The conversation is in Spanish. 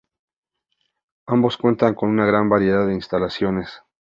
Ambos cuentan con gran variedad de instalaciones.